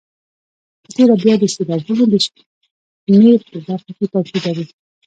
په تېره بیا د سېلابونو د شمېر په برخه کې توپیر لري.